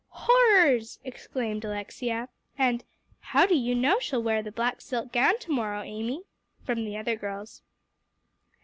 "Horrors!" exclaimed Alexia; and, "How do you know she'll wear the black silk gown to morrow, Amy?" from the other girls.